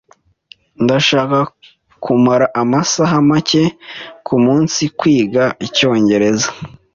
Ndashaka kumara amasaha make kumunsi kwiga icyongereza.